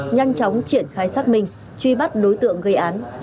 nhanh chóng triển khai xác minh truy bắt đối tượng gây án